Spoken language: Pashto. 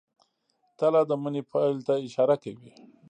تله د مني پیل ته اشاره کوي.